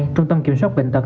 trung tâm kiểm soát bệnh tật